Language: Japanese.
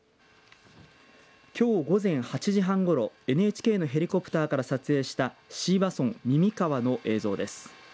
きょう午前８時半ごろＮＨＫのヘリコプターから撮影した椎葉村耳川の映像です。